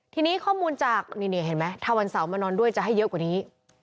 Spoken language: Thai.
ทีนี้ข้อมูลจากนี่เห็นไหมถ้าวันเสาร์มานอนด้วยจะให้เยอะกว่านี้